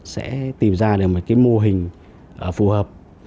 sẽ tìm ra được một cái mô hình phù hợp